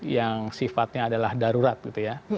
yang sifatnya adalah darurat gitu ya